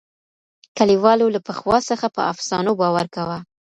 کلیوالو له پخوا څخه په افسانو باور کاوه.